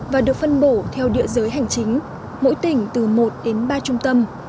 và được phân bổ theo địa giới hành chính mỗi tỉnh từ một đến ba trung tâm